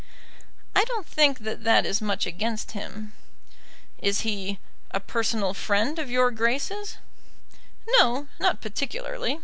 "I don't think that that is much against him." "Is he a personal friend of Your Grace's?" "No not particularly.